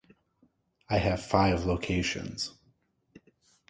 I have five locations.